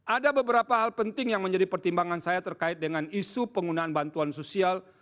ada beberapa hal penting yang menjadi pertimbangan saya terkait dengan isu penggunaan bantuan sosial